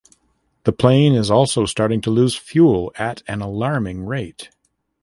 The plane is also starting to lose fuel at an alarming rate.